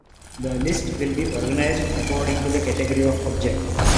This list will be organized according to the category of object.